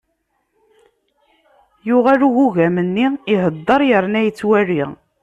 Yuɣal ugugam-nni iheddeṛ, yerna yettwali.